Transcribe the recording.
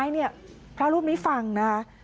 พูดสิทธิ์ข่าวบอกว่าพระต่อว่าชาวบ้านที่มายืนล้อมอยู่แบบนี้ค่ะ